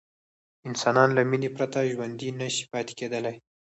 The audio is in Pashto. انسانان له مینې پرته ژوندي نه شي پاتې کېدلی.